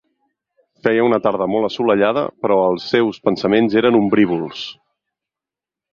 Feia una tarda molt assolellada, però els seus pensaments eren ombrívols.